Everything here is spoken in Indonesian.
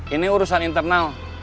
ini urusan internal